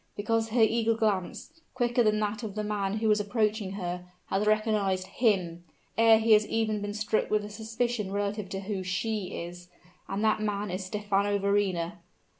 Because her eagle glance, quicker than that of the man who is approaching her, has recognized him, ere he has even been struck with a suspicion relative to who she is and that man is Stephano Verrina!